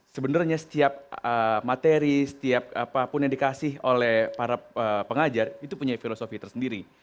sebenarnya setiap materi setiap apapun yang dikasih oleh para pengajar itu punya filosofi tersendiri